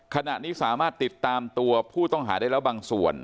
ขณะนี้สามารถติดตามตัวผู้ต้องหาได้แล้วบางส่วน